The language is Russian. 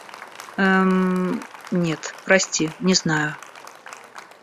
Эм-м, нет, прости, не знаю.